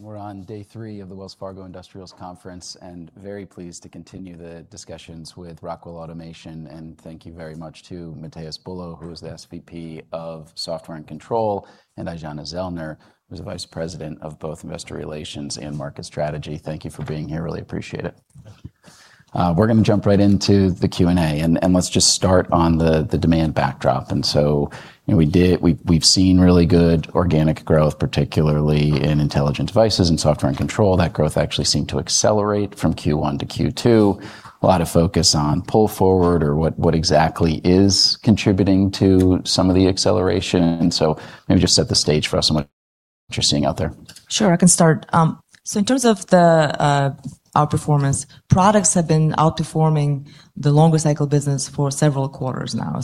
We're on day three of the Wells Fargo Industrials Conference, very pleased to continue the discussions with Rockwell Automation. Thank you very much to Matheus Bulho, who is the SVP of Software and Control, and Aijana Zellner, who's the Vice President of both Investor Relations and Market Strategy. Thank you for being here. Really appreciate it. We're going to jump right into the Q&A, let's just start on the demand backdrop. We've seen really good organic growth, particularly in Intelligent Devices and software and control. That growth actually seemed to accelerate from Q1 to Q2. A lot of focus on pull forward or what exactly is contributing to some of the acceleration. Maybe just set the stage for us on what you're seeing out there. Sure. I can start. In terms of our performance, products have been outperforming the longer cycle business for several quarters now.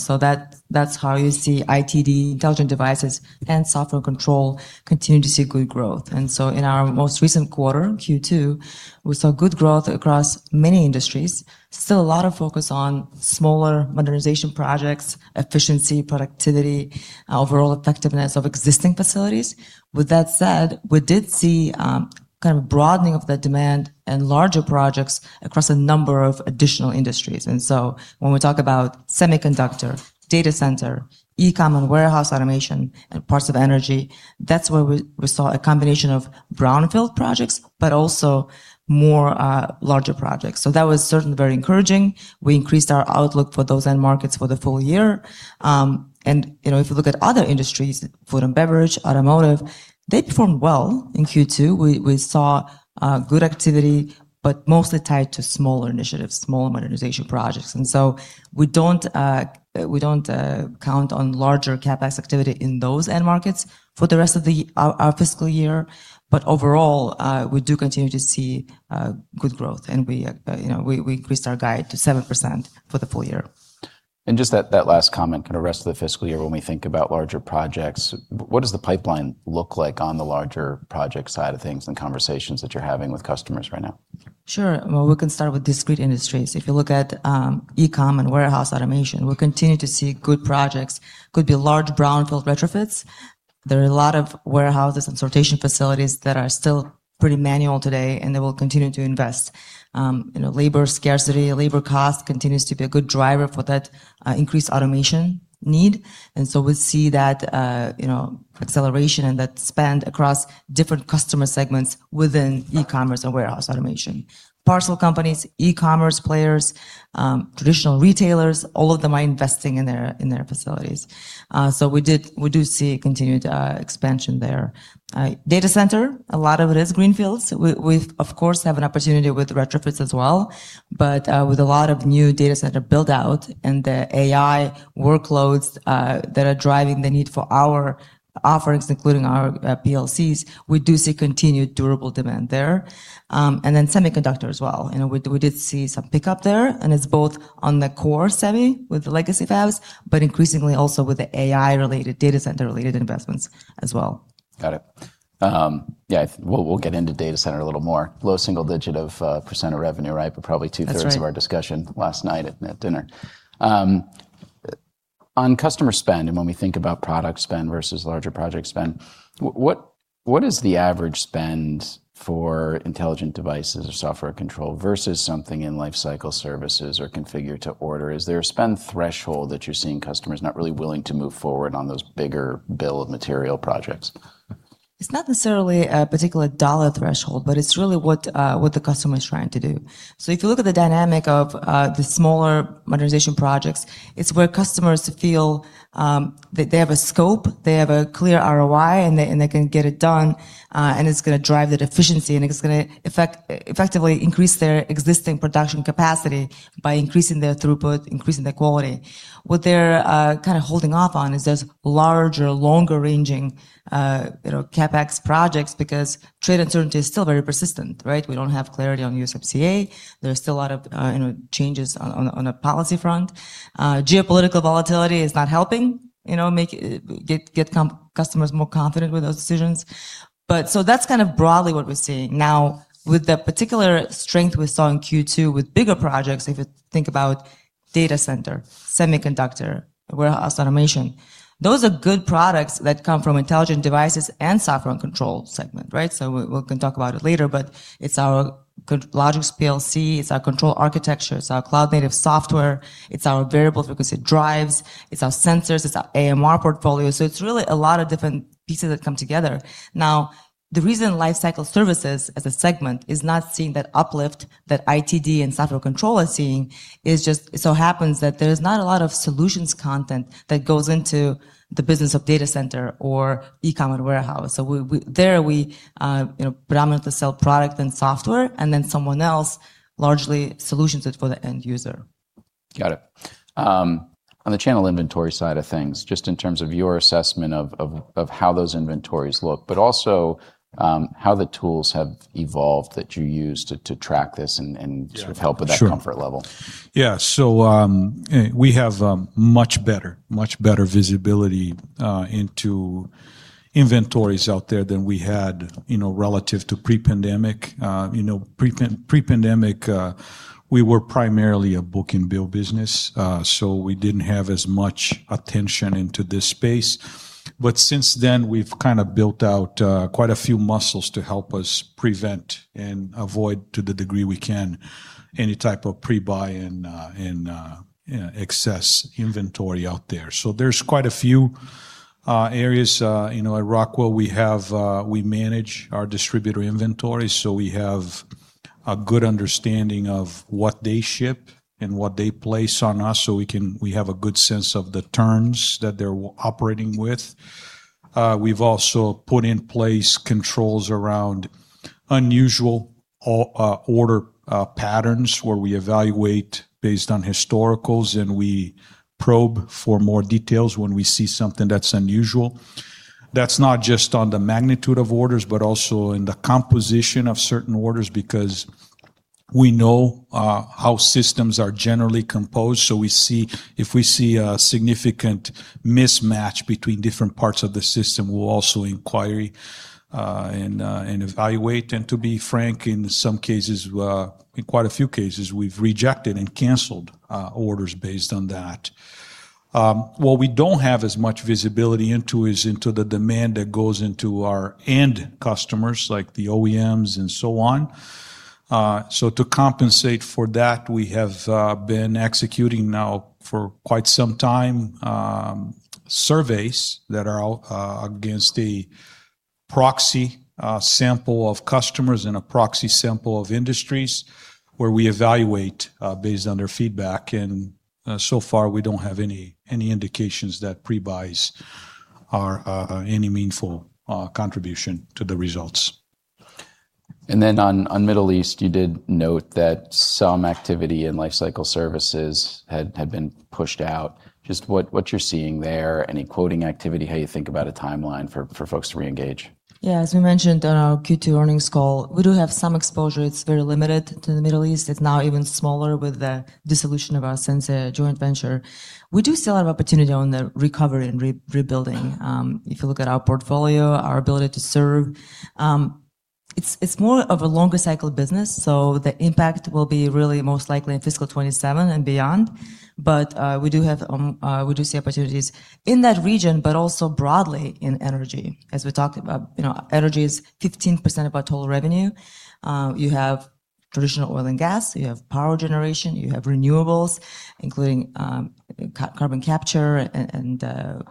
That's how you see ITD, Intelligent Devices, and software control continue to see good growth. In our most recent quarter, Q2, we saw good growth across many industries. Still a lot of focus on smaller modernization projects, efficiency, productivity, overall effectiveness of existing facilities. With that said, we did see a kind of broadening of the demand and larger projects across a number of additional industries. When we talk about semiconductor, data center, e-com and warehouse automation, and parts of energy, that's where we saw a combination of brownfield projects, but also more larger projects. That was certainly very encouraging. We increased our outlook for those end markets for the full-year. If you look at other industries, food and beverage, automotive, they performed well in Q2. We saw good activity, but mostly tied to smaller initiatives, smaller modernization projects. We don't count on larger CapEx activity in those end markets for the rest of our fiscal year. Overall, we do continue to see good growth, and we increased our guide to 7% for the full-year. Just that last comment, kind of rest of the fiscal year, when we think about larger projects, what does the pipeline look like on the larger project side of things and conversations that you're having with customers right now? Sure. Well, we can start with discrete industries. If you look at e-com and warehouse automation, we continue to see good projects. Could be large brownfield retrofits. There are a lot of warehouses and sortation facilities that are still pretty manual today, and they will continue to invest. Labor scarcity, labor cost continues to be a good driver for that increased automation need. We see that acceleration and that spend across different customer segments within e-commerce and warehouse automation. Parcel companies, e-commerce players, traditional retailers, all of them are investing in their facilities. We do see continued expansion there. Data center, a lot of it is greenfields. We, of course, have an opportunity with retrofits as well, but with a lot of new data center build-out and the AI workloads that are driving the need for our offerings, including our PLCs, we do see continued durable demand there. Semiconductor as well. We did see some pickup there, and it's both on the core semi with the legacy fabs, but increasingly also with the AI-related, data center-related investments as well. Got it. Yeah. We'll get into data center a little more. Low single digit percent of revenue, right? Probably two-thirds That's right of our discussion last night at dinner. On customer spend, when we think about product spend versus larger project spend, what is the average spend for Intelligent Devices or Software & Control versus something in Lifecycle Services or configured to order? Is there a spend threshold that you're seeing customers not really willing to move forward on those bigger bill of material projects? It's not necessarily a particular dollar threshold, but it's really what the customer is trying to do. If you look at the dynamic of the smaller modernization projects, it's where customers feel that they have a scope, they have a clear ROI, and they can get it done, and it's going to drive that efficiency, and it's going to effectively increase their existing production capacity by increasing their throughput, increasing their quality. What they're kind of holding off on is those larger, longer-ranging CapEx projects, because trade uncertainty is still very persistent, right? We don't have clarity on USMCA. There's still a lot of changes on a policy front. Geopolitical volatility is not helping get customers more confident with those decisions. That's kind of broadly what we're seeing. Now, with the particular strength we saw in Q2 with bigger projects, if you think about data center, semiconductor, warehouse automation, those are good products that come from Intelligent Devices and Software & Control segment, right? We can talk about it later, but it's our Logix PLC, it's our control architecture, it's our cloud-native software, it's our variable frequency drives, it's our sensors, it's our AMR portfolio. It's really a lot of different pieces that come together. Now, the reason Lifecycle Services as a segment is not seeing that uplift that ITD and Software & Control are seeing is just so happens that there is not a lot of solutions content that goes into the business of data center or e-com and warehouse. There we predominantly sell product and software and then someone else largely solutions it for the end user. Got it. On the channel inventory side of things, just in terms of your assessment of how those inventories look, but also how the tools have evolved that you use to track this and sort of help with that comfort level. Yeah. We have much better visibility into inventories out there than we had relative to pre-pandemic. Pre-pandemic, we were primarily a book-and-bill business, we didn't have as much attention into this space. Since then, we've kind of built out quite a few muscles to help us prevent and avoid, to the degree we can, any type of pre-buy and excess inventory out there. There's quite a few areas. At Rockwell, we manage our distributor inventory, so we have a good understanding of what they ship and what they place on us so we have a good sense of the terms that they're operating with. We've also put in place controls around unusual order patterns where we evaluate based on historicals, and we probe for more details when we see something that's unusual. That's not just on the magnitude of orders, but also in the composition of certain orders, because we know how systems are generally composed. If we see a significant mismatch between different parts of the system, we'll also inquire and evaluate. To be frank, in some cases, in quite a few cases, we've rejected and canceled orders based on that. What we don't have as much visibility into is into the demand that goes into our end customers, like the OEMs and so on. To compensate for that, we have been executing now for quite some time, surveys that are out against a proxy sample of customers and a proxy sample of industries where we evaluate based on their feedback. So far, we don't have any indications that pre-buys are any meaningful contribution to the results. On Middle East, you did note that some activity in Lifecycle Services had been pushed out. Just what you're seeing there, any quoting activity, how you think about a timeline for folks to reengage? Yeah, as we mentioned on our Q2 earnings call, we do have some exposure, it's very limited, to the Middle East. It's now even smaller with the dissolution of our Sensia joint venture. We do still have opportunity on the recovery and rebuilding. If you look at our portfolio, our ability to serve, it's more of a longer cycle business. The impact will be really most likely in fiscal 2027 and beyond. We do see opportunities in that region, but also broadly in energy. As we talked about, energy is 15% of our total revenue. You have traditional oil and gas, you have power generation, you have renewables, including carbon capture and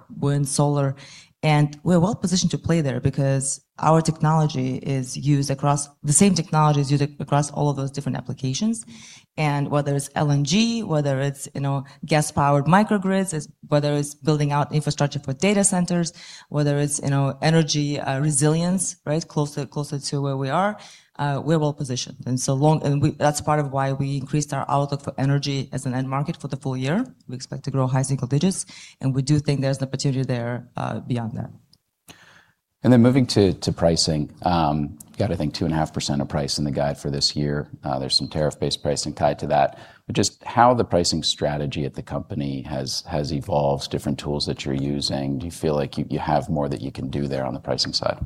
wind, solar. We're well-positioned to play there because the same technology is used across all of those different applications. Whether it's LNG, whether it's gas-powered microgrids, whether it's building out infrastructure for data centers, whether it's energy resilience closer to where we are, we're well-positioned. That's part of why we increased our outlook for energy as an end market for the full year. We expect to grow high single digits, we do think there's an opportunity there beyond that. Moving to pricing. Got, I think, 2.5% of price in the guide for this year. There's some tariff-based pricing tied to that. Just how the pricing strategy at the company has evolved, different tools that you're using. Do you feel like you have more that you can do there on the pricing side?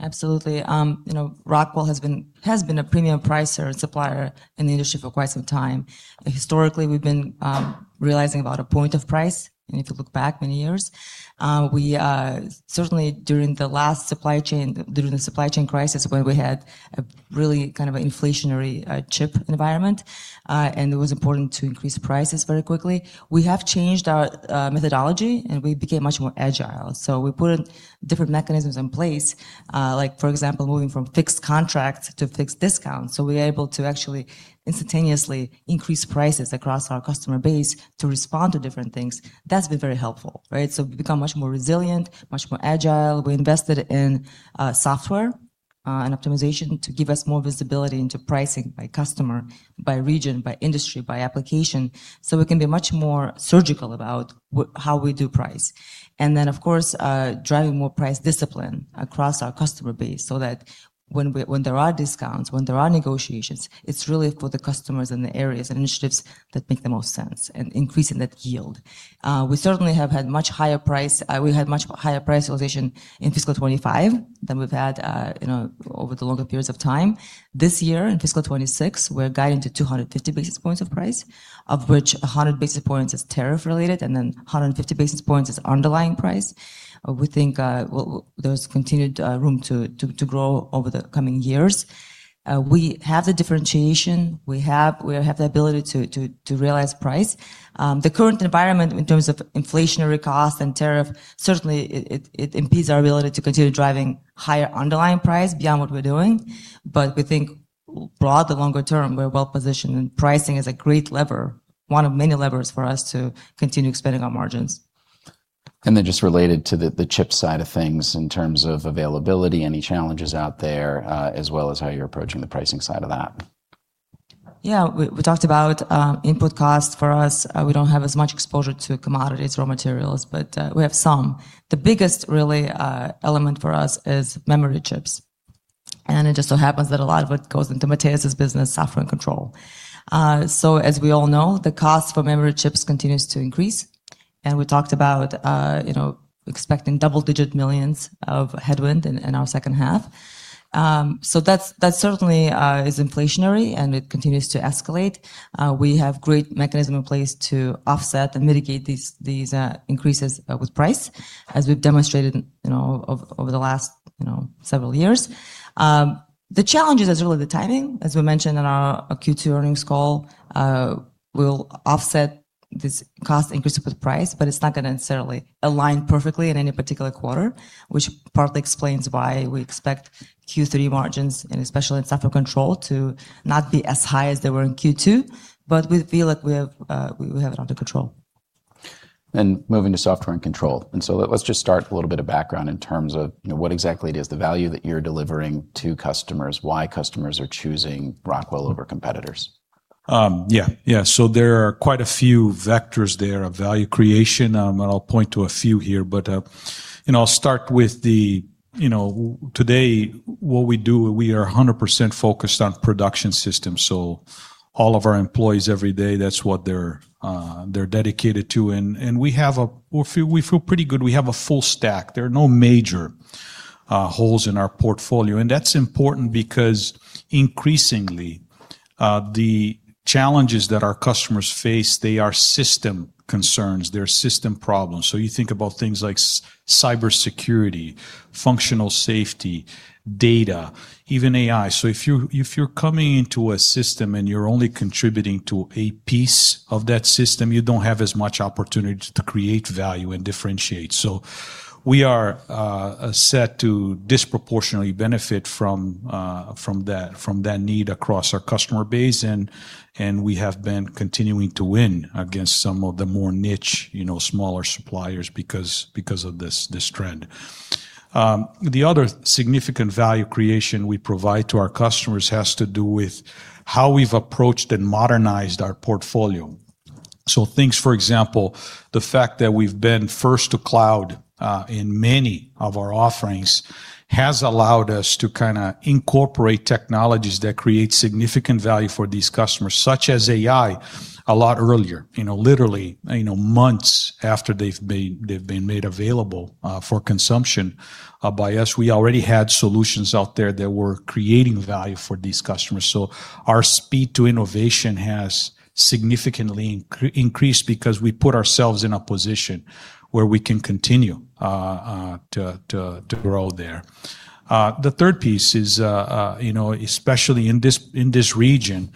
Absolutely. Rockwell has been a premium pricer and supplier in the industry for quite some time. Historically, we've been realizing about a point of price, if you look back many years. Certainly during the supply chain crisis, when we had a really kind of inflationary chip environment, it was important to increase prices very quickly, we have changed our methodology, we became much more agile. We put different mechanisms in place, like for example, moving from fixed contracts to fixed discounts. We were able to actually instantaneously increase prices across our customer base to respond to different things. That's been very helpful. We've become much more resilient, much more agile. We invested in software and optimization to give us more visibility into pricing by customer, by region, by industry, by application, so we can be much more surgical about how we do price. Of course, driving more price discipline across our customer base so that when there are discounts, when there are negotiations, it's really for the customers and the areas and initiatives that make the most sense, increasing that yield. We certainly have had much higher price realization in fiscal 2025 than we've had over the longer periods of time. This year, in fiscal 2026, we're guiding to 250 basis points of price, of which 100 basis points is tariff-related, 150 basis points is underlying price. We think there's continued room to grow over the coming years. We have the differentiation. We have the ability to realize price. The current environment in terms of inflationary cost and tariff, certainly it impedes our ability to continue driving higher underlying price beyond what we're doing. We think broader, longer term, we're well-positioned, and pricing is a great lever, one of many levers for us to continue expanding our margins. Then just related to the chip side of things in terms of availability, any challenges out there, as well as how you're approaching the pricing side of that? Yeah. We talked about input costs for us. We don't have as much exposure to commodities, raw materials, but we have some. The biggest, really, element for us is memory chips. It just so happens that a lot of it goes into Matheus's business, Software & Control. As we all know, the cost for memory chips continues to increase. We talked about expecting double-digit millions of headwind in our second half. That certainly is inflationary, and it continues to escalate. We have great mechanism in place to offset and mitigate these increases with price, as we've demonstrated over the last several years. The challenge is really the timing, as we mentioned in our Q2 earnings call, we'll offset this cost increase with price, it's not going to necessarily align perfectly in any particular quarter, which partly explains why we expect Q3 margins, and especially in Software & Control, to not be as high as they were in Q2, we feel like we have it under control. Moving to software and control. Let's just start with a little bit of background in terms of what exactly it is, the value that you're delivering to customers, why customers are choosing Rockwell over competitors. Yeah. There are quite a few vectors there of value creation. I'll point to a few here, but I'll start with today, what we do, we are 100% focused on production systems, so all of our employees, every day, that's what they're dedicated to. We feel pretty good. We have a full stack. There are no major holes in our portfolio, and that's important because increasingly, the challenges that our customers face, they are system concerns, they're system problems. You think about things like cybersecurity, functional safety, data, even AI. If you're coming into a system and you're only contributing to a piece of that system, you don't have as much opportunity to create value and differentiate. We are set to disproportionately benefit from that need across our customer base, and we have been continuing to win against some of the more niche, smaller suppliers because of this trend. The other significant value creation we provide to our customers has to do with how we've approached and modernized our portfolio. Things, for example, the fact that we've been first to cloud in many of our offerings has allowed us to kind of incorporate technologies that create significant value for these customers, such as AI, a lot earlier. Literally, months after they've been made available for consumption by us, we already had solutions out there that were creating value for these customers. Our speed to innovation has significantly increased because we put ourselves in a position where we can continue to grow there. The third piece is, especially in this region,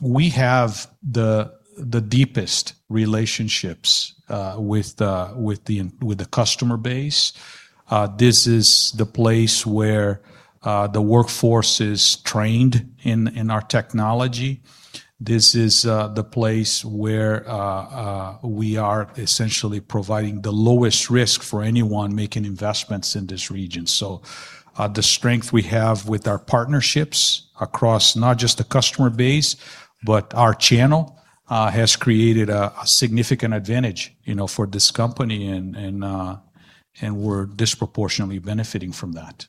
we have the deepest relationships with the customer base. This is the place where the workforce is trained in our technology. This is the place where we are essentially providing the lowest risk for anyone making investments in this region. The strength we have with our partnerships across not just the customer base, but our channel, has created a significant advantage for this company, and we're disproportionately benefiting from that.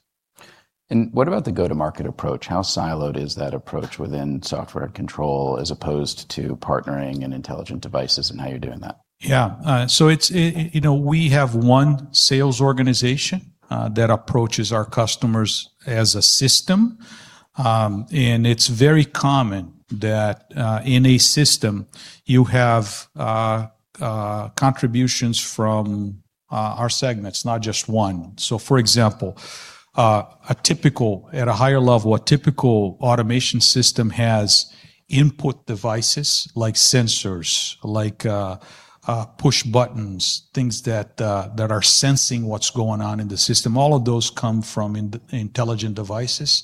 What about the go-to-market approach? How siloed is that approach within Software & Control as opposed to partnering and Intelligent Devices and how you're doing that? We have one sales organization that approaches our customers as a system, it's very common that in a system you have contributions from our segments, not just one. For example, at a higher level, a typical automation system has input devices like sensors, like push buttons, things that are sensing what's going on in the system. All of those come from Intelligent Devices.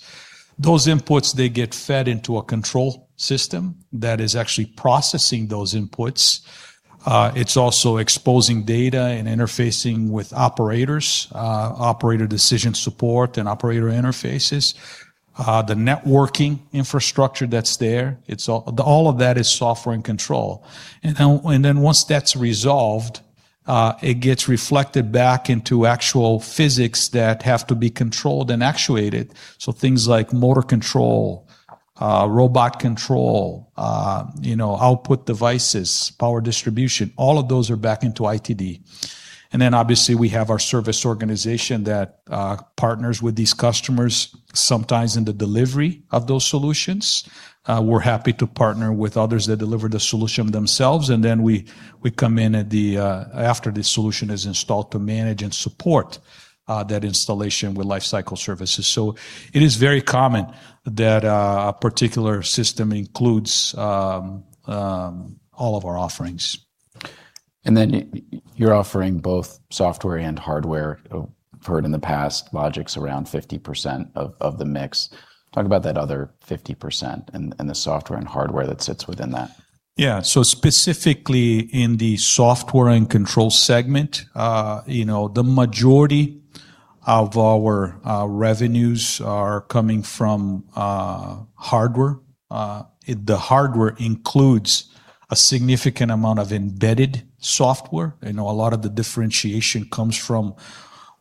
Those inputs, they get fed into a control system that is actually processing those inputs. It's also exposing data and interfacing with operators, operator decision support, and operator interfaces. The networking infrastructure that's there, all of that is Software & Control. Once that's resolved, it gets reflected back into actual physics that have to be controlled and actuated, so things like motor control, robot control, output devices, power distribution, all of those are back into ITD. Obviously, we have our service organization that partners with these customers, sometimes in the delivery of those solutions. We're happy to partner with others that deliver the solution themselves, and then we come in after the solution is installed to manage and support that installation with Lifecycle Services. It is very common that a particular system includes all of our offerings. You're offering both software and hardware. I've heard in the past, Logix around 50% of the mix. Talk about that other 50% and the software and hardware that sits within that. Yeah. Specifically in the Software & Control segment, the majority of our revenues are coming from hardware. The hardware includes a significant amount of embedded software. A lot of the differentiation comes from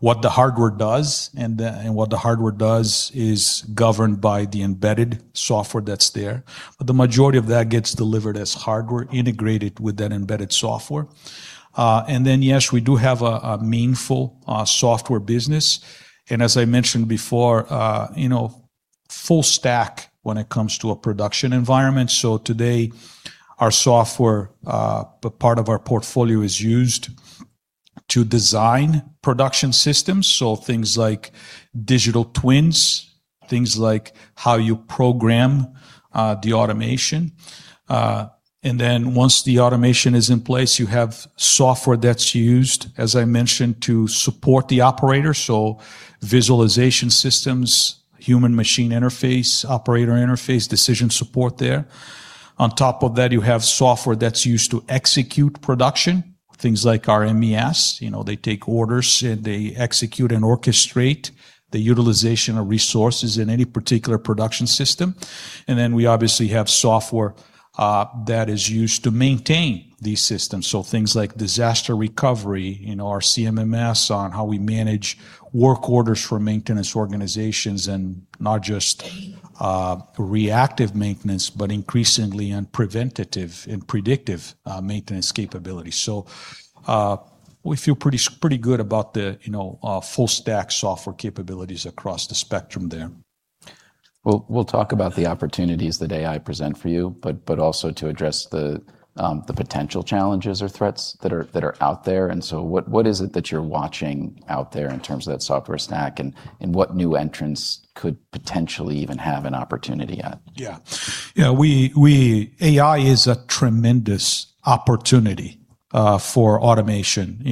what the hardware does, and what the hardware does is governed by the embedded software that's there. The majority of that gets delivered as hardware integrated with that embedded software. Yes, we do have a meaningful software business, and as I mentioned before, full stack when it comes to a production environment. Today, our software part of our portfolio is used to design production systems, so things like digital twins, things like how you program the automation. Then once the automation is in place, you have software that's used, as I mentioned, to support the operator, so visualization systems, human machine interface, operator interface, decision support there. On top of that, you have software that's used to execute production, things like our MES. They take orders, and they execute and orchestrate the utilization of resources in any particular production system. We obviously have software that is used to maintain these systems. Things like disaster recovery, our CMMS on how we manage work orders for maintenance organizations and not just reactive maintenance, but increasingly on preventative and predictive maintenance capabilities. We feel pretty good about the full stack software capabilities across the spectrum there. We'll talk about the opportunities that AI present for you, but also to address the potential challenges or threats that are out there. What is it that you're watching out there in terms of that software stack, and what new entrants could potentially even have an opportunity at? Yeah. AI is a tremendous opportunity for automation.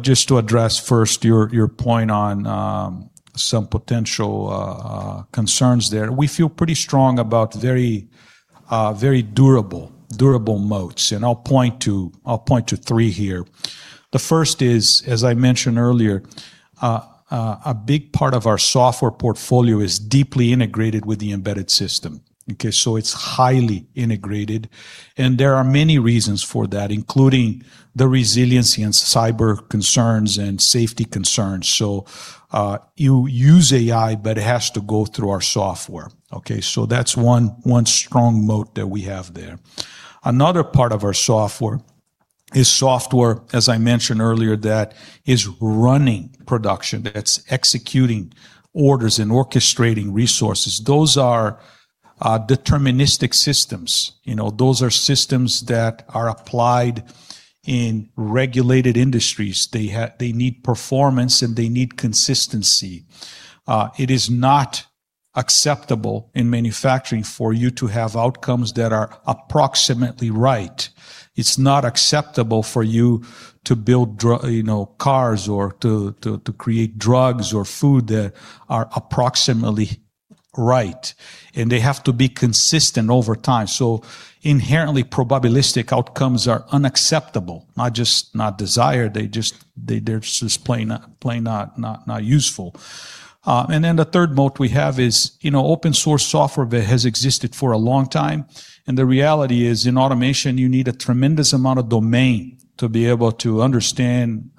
Just to address first your point on some potential concerns there, we feel pretty strong about very durable moats. I'll point to three here. The first is, as I mentioned earlier, a big part of our software portfolio is deeply integrated with the embedded system. Okay? It's highly integrated, and there are many reasons for that, including the resiliency and cyber concerns and safety concerns. You use AI, but it has to go through our software. Okay? That's one strong moat that we have there. Another part of our software is software, as I mentioned earlier, that is running production, that's executing orders and orchestrating resources. Those are deterministic systems. Those are systems that are applied in regulated industries. They need performance, and they need consistency. It is not acceptable in manufacturing for you to have outcomes that are approximately right. It's not acceptable for you to build cars or to create drugs or food that are approximately right, and they have to be consistent over time. Inherently probabilistic outcomes are unacceptable, not just not desired, they're just plain not useful. The third moat we have is open source software that has existed for a long time. The reality is, in automation, you need a tremendous amount of domain to be able to understand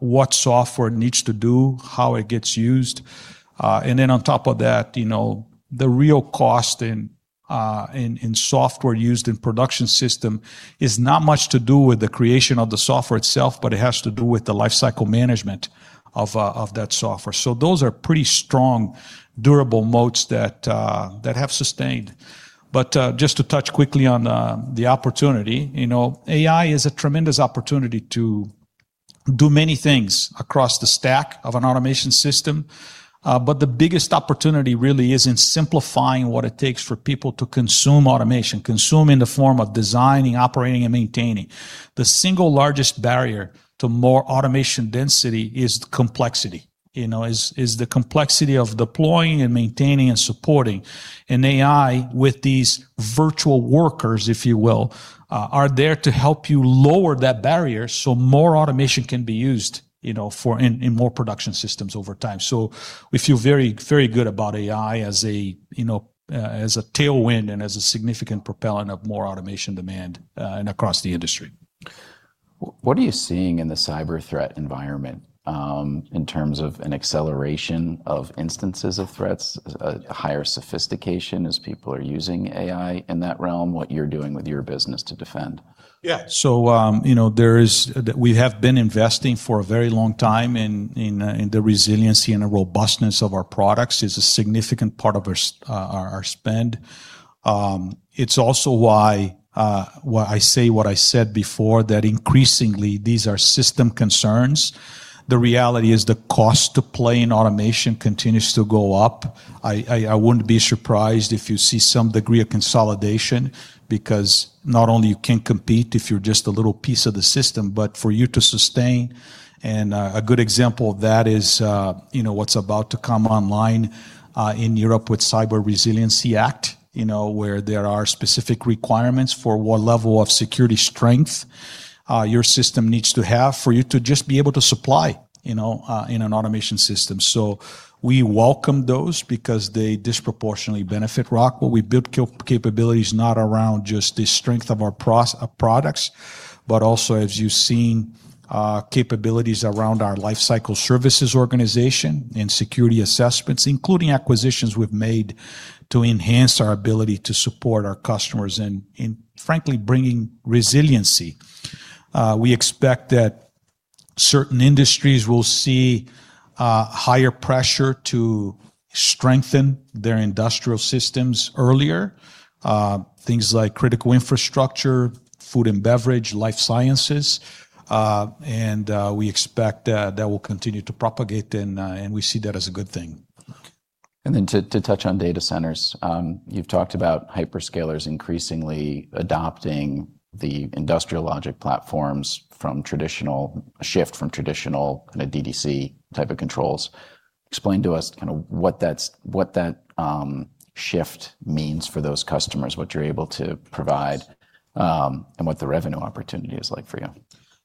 what software needs to do, how it gets used. On top of that, the real cost in software used in production system is not much to do with the creation of the software itself, but it has to do with the lifecycle management of that software. Those are pretty strong, durable moats that have sustained. Just to touch quickly on the opportunity. AI is a tremendous opportunity to do many things across the stack of an automation system. The biggest opportunity really is in simplifying what it takes for people to consume automation, consume in the form of designing, operating, and maintaining. The single largest barrier to more automation density is complexity, is the complexity of deploying and maintaining and supporting. AI, with these virtual workers, if you will, are there to help you lower that barrier, so more automation can be used in more production systems over time. We feel very good about AI as a tailwind and as a significant propellant of more automation demand and across the industry. What are you seeing in the cyber threat environment in terms of an acceleration of instances of threats, a higher sophistication as people are using AI in that realm, what you're doing with your business to defend? Yeah. We have been investing for a very long time in the resiliency and the robustness of our products, is a significant part of our spend. It's also why I say what I said before, that increasingly these are system concerns. The reality is the cost to play in automation continues to go up. I wouldn't be surprised if you see some degree of consolidation because not only you can't compete if you're just a little piece of the system, but for you to sustain. A good example of that is what's about to come online in Europe with Cyber Resiliency Act, where there are specific requirements for what level of security strength your system needs to have for you to just be able to supply in an automation system. We welcome those because they disproportionately benefit Rockwell. We built capabilities not around just the strength of our products, but also, as you've seen, capabilities around our Lifecycle Services organization and security assessments, including acquisitions we've made to enhance our ability to support our customers and frankly, bringing resiliency. We expect that certain industries will see higher pressure to strengthen their industrial systems earlier. Things like critical infrastructure, food and beverage, life sciences, and we expect that that will continue to propagate and we see that as a good thing. Then to touch on data centers, you've talked about hyperscalers increasingly adopting the industrial Logix platforms from traditional, a shift from traditional DDC type of controls. Explain to us what that shift means for those customers, what you're able to provide, and what the revenue opportunity is like for you.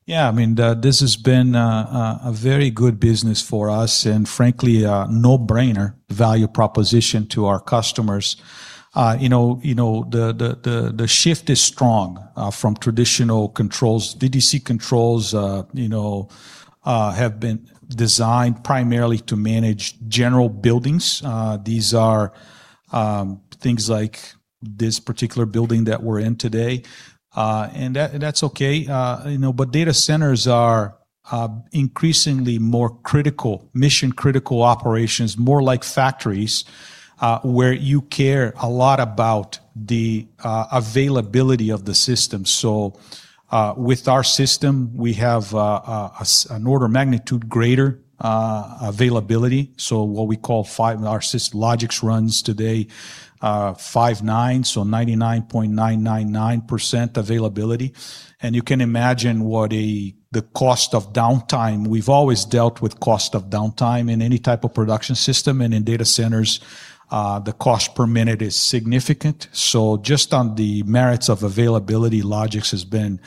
Yeah. This has been a very good business for us and frankly, a no-brainer value proposition to our customers. The shift is strong from traditional controls. DDC controls have been designed primarily to manage general buildings. These are things like this particular building that we're in today, and that's okay. But data centers are increasingly more mission-critical operations, more like factories, where you care a lot about the availability of the system. With our system, we have an order of magnitude greater availability. What we call five, our Logix runs today, five nines, so 99.999% availability. You can imagine the cost of downtime. We've always dealt with cost of downtime in any type of production system, and in data centers, the cost per minute is significant. Just on the merits of availability, Logix has been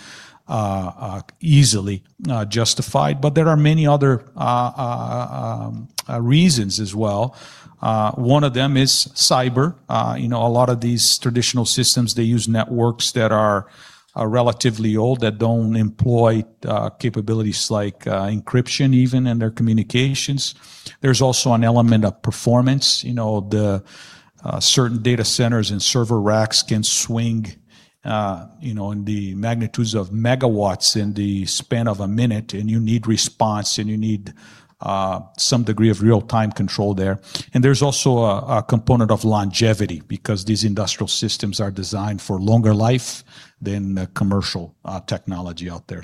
easily justified. There are many other reasons as well. One of them is cyber. A lot of these traditional systems, they use networks that are relatively old, that don't employ capabilities like encryption even in their communications. There's also an element of performance. Certain data centers and server racks can swing in the magnitudes of megawatts in the span of a minute, and you need response, and you need some degree of real-time control there. There's also a component of longevity because these industrial systems are designed for longer life than the commercial technology out there.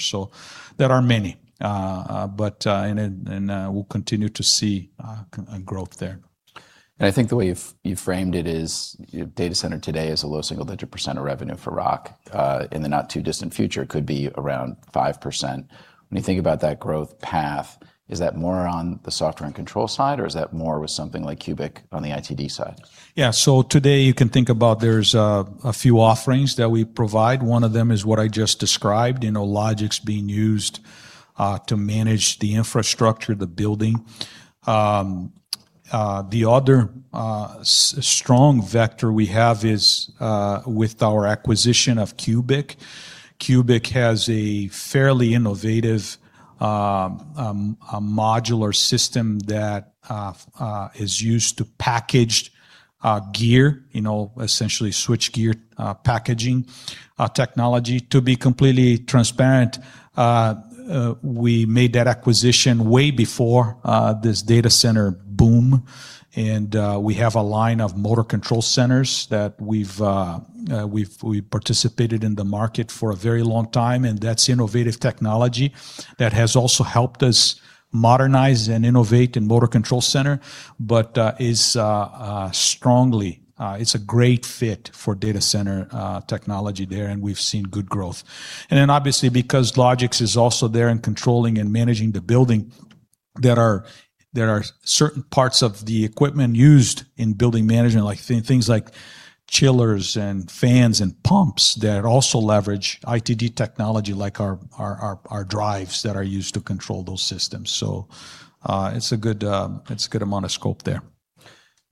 There are many, and we'll continue to see growth there. I think the way you framed it is data center today is a low single-digit percent of revenue for Rockwell. In the not-too-distant future, it could be around 5%. When you think about that growth path, is that more on the software and control side, or is that more with something like CUBIC on the ITD side? Yeah. Today, you can think about, there's a few offerings that we provide. One of them is what I just described, Logix being used to manage the infrastructure, the building. The other strong vector we have is with our acquisition of CUBIC. CUBIC has a fairly innovative modular system that is used to package gear, essentially switchgear packaging technology. To be completely transparent, we made that acquisition way before this data center boom. We have a line of motor control centers that we've participated in the market for a very long time. That's innovative technology that has also helped us modernize and innovate in motor control center. It's a great fit for data center technology there, and we've seen good growth. Obviously, because Logix is also there and controlling and managing the building, there are certain parts of the equipment used in building management, things like chillers and fans and pumps that also leverage ITD technology like our drives that are used to control those systems. It's a good amount of scope there.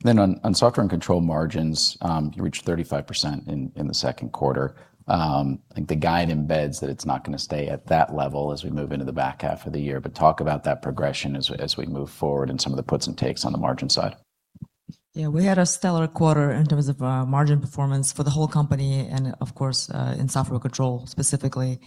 On software and control margins, you reached 35% in the second quarter. I think the guide embeds that it's not going to stay at that level as we move into the back half of the year. Talk about that progression as we move forward and some of the puts and takes on the margin side. We had a stellar quarter in terms of margin performance for the whole company and of course, in Software & Control specifically.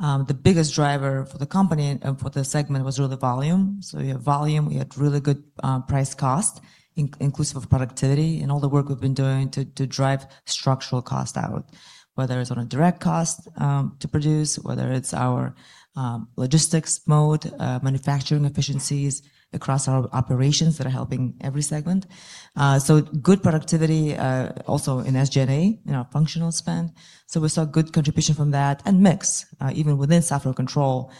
The biggest driver for the company and for the segment was really volume. We had volume, we had really good price cost inclusive of productivity and all the work we've been doing to drive structural cost out, whether it's on a direct cost to produce, whether it's our logistics mode, manufacturing efficiencies across our operations that are helping every segment. Good productivity, also in SG&A, in our functional spend. We saw good contribution from that. Mix. Even within Software & Control,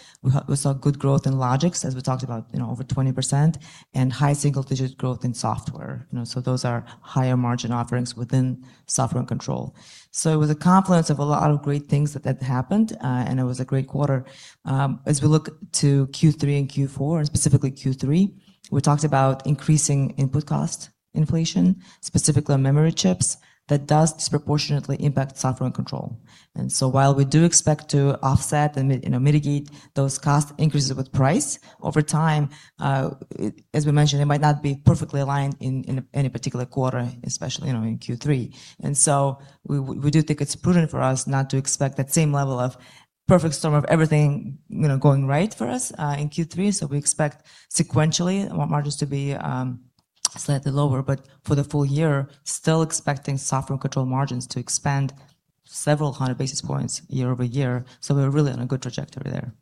we saw good growth in Logix, as we talked about, over 20%, and high single-digit growth in software. Those are higher-margin offerings within Software & Control. It was a confluence of a lot of great things that happened, and it was a great quarter. As we look to Q3 and Q4, and specifically Q3, we talked about increasing input cost inflation, specifically on memory chips. That does disproportionately impact Software & Control. While we do expect to offset and mitigate those cost increases with price over time, as we mentioned, it might not be perfectly aligned in any particular quarter, especially in Q3. We do think it's prudent for us not to expect that same level of perfect storm of everything going right for us in Q3. We expect sequentially, want margins to be slightly lower, but for the full-year, still expecting Software & Control margins to expand several hundred basis points year-over-year. We're really on a good trajectory there.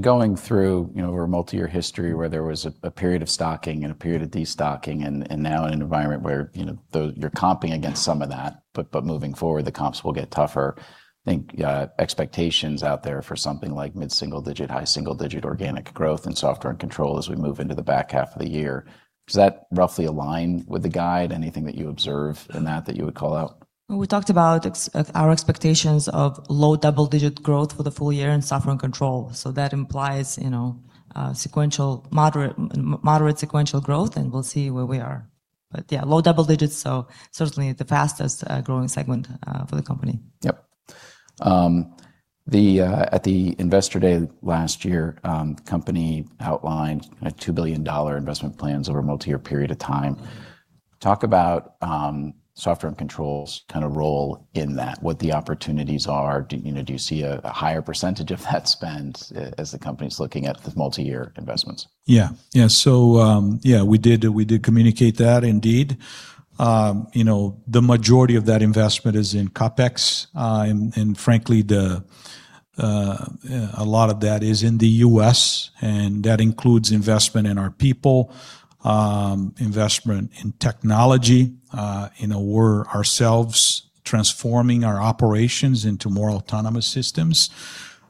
Going through our multi-year history where there was a period of stocking and a period of de-stocking, and now in an environment where you're comping against some of that, but moving forward, the comps will get tougher. I think expectations out there for something like mid-single digit, high-single digit organic growth in Software & Control as we move into the back half of the year. Does that roughly align with the guide? Anything that you observe in that you would call out? We talked about our expectations of low double-digit growth for the full-year in Software & Control. That implies moderate sequential growth, and we'll see where we are. Yeah, low double-digits, certainly the fastest growing segment for the company. Yep. At the Investor Day last year, the company outlined a $2 billion investment plans over a multi-year period of time. Talk about Software & Control kind of role in that, what the opportunities are. Do you see a higher percentage of that spend as the company's looking at the multi-year investments? Yeah. We did communicate that indeed. The majority of that investment is in CapEx, and frankly, a lot of that is in the U.S., and that includes investment in our people, investment in technology. We're ourselves transforming our operations into more autonomous systems,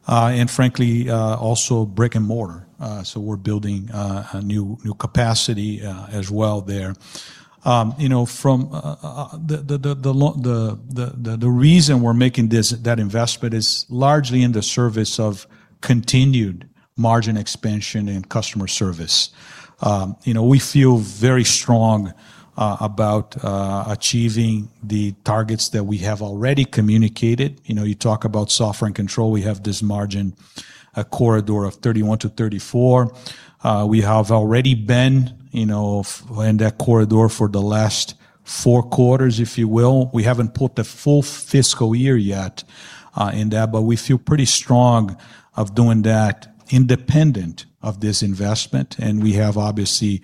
and frankly, also brick and mortar. We're building a new capacity as well there. The reason we're making that investment is largely in the service of continued margin expansion and customer service. We feel very strong about achieving the targets that we have already communicated. You talk about Software & Control, we have this margin, a corridor of 31%-34%. We have already been in that corridor for the last four quarters, if you will. We haven't put the full fiscal year yet in that, we feel pretty strong of doing that independent of this investment, and we have, obviously,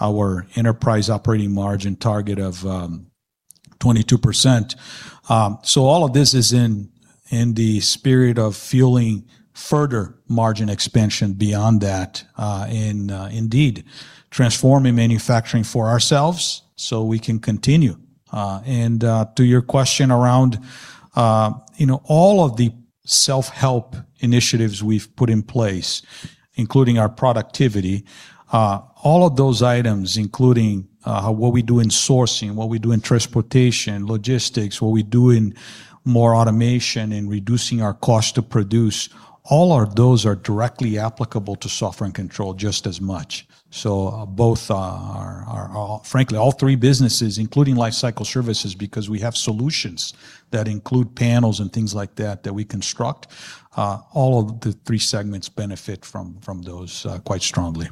our enterprise operating margin target of 22%. All of this is in the spirit of fueling further margin expansion beyond that, and indeed transforming manufacturing for ourselves so we can continue. To your question around all of the self-help initiatives we've put in place, including our productivity, all of those items, including what we do in sourcing, what we do in transportation, logistics, what we do in more automation and reducing our cost to produce, all of those are directly applicable to Software & Control just as much. Both are frankly, all three businesses, including Lifecycle Services, because we have solutions that include panels and things like that we construct. All of the three segments benefit from those quite strongly.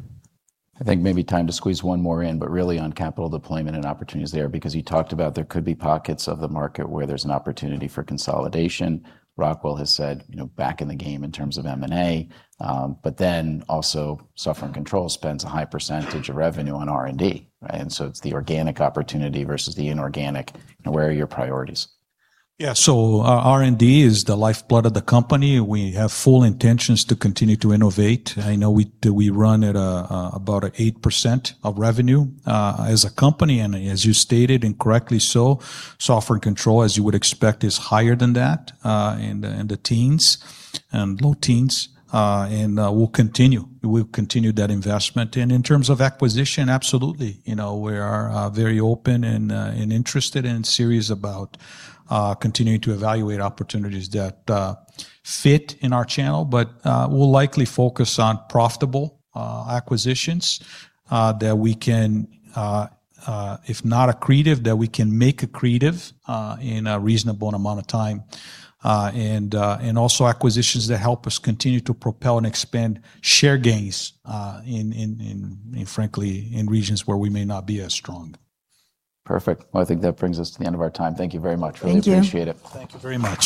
I think maybe time to squeeze one more in, really on capital deployment and opportunities there, because you talked about there could be pockets of the market where there's an opportunity for consolidation. Rockwell has said, back in the game in terms of M&A, also Software & Control spends a high percentage of revenue on R&D, right? It's the organic opportunity versus the inorganic, and where are your priorities? Yeah. R&D is the lifeblood of the company. We have full intentions to continue to innovate. I know we run at about 8% of revenue as a company, and as you stated, and correctly so, Software & Control, as you would expect, is higher than that, in the teens, low teens. We'll continue that investment. In terms of acquisition, absolutely, we are very open and interested and serious about continuing to evaluate opportunities that fit in our channel. We'll likely focus on profitable acquisitions that we can, if not accretive, that we can make accretive in a reasonable amount of time. Also acquisitions that help us continue to propel and expand share gains in frankly, in regions where we may not be as strong. Perfect. Well, I think that brings us to the end of our time. Thank you very much. Thank you. Really appreciate it. Thank you very much.